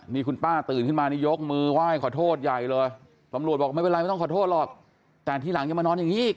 นี่คุณป้าตื่นขึ้นมานี่ยกมือไหว้ขอโทษใหญ่เลยตำรวจบอกไม่เป็นไรไม่ต้องขอโทษหรอกแต่ทีหลังยังมานอนอย่างนี้อีก